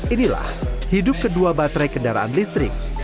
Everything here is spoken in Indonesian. inilah hidup kedua baterai kendaraan listrik